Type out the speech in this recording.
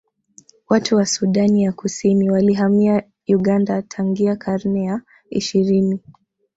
Watu wa Sudani ya Kusini walihamia Uganda tangia karne ya ishirini